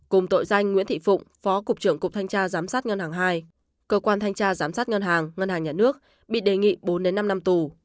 cùng tội danh nguyễn thị phụng phó cục trưởng cục thanh tra giám sát ngân hàng hai cơ quan thanh tra giám sát ngân hàng ngân hàng nhà nước bị đề nghị bốn năm năm tù